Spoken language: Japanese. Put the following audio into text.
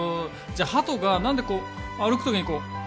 じゃあハトが何でこう歩く時にこう